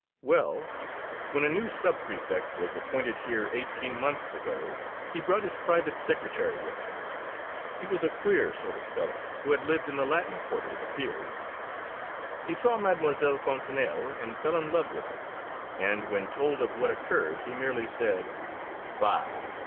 "Well, when a new sub prefect was appointed here eighteen months ago, he brought his private secretary with him. He was a queer sort of fellow, who had lived in the Latin Quarter, it appears. He saw Mademoiselle Fontanelle, and fell in love with her, and when told of what occurred, he merely said: 'Bah!